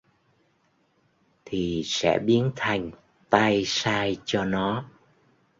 thì sẽ biến thành tay sai cho nó